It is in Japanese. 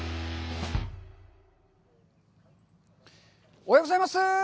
おはようございます！